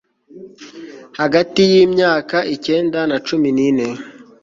hagati y'imyaka ikenda na na cumi n'ine